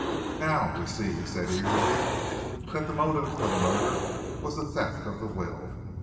"Now, we see," he said eagerly, "that the motive for the murder was the theft of the will."